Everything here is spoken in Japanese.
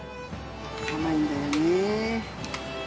甘いんだよね。